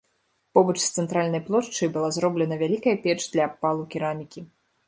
Побач з цэнтральнай плошчай была зроблена вялікая печ для абпалу керамікі.